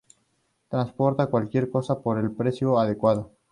Transporta cualquier cosa por el precio adecuado.